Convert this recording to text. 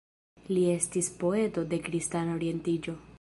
Li estis poeto de kristana orientiĝo.